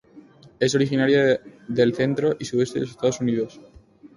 Es originaria del centro y sudeste de los Estados Unidos.